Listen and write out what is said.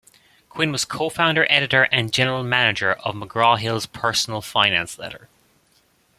Quinn was co-founder, editor and general manager of McGraw-Hill's Personal Finance Letter.